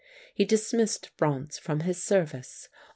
He dismissed Franz from his service.